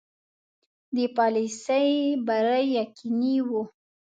د پالیسي بری یقیني وو.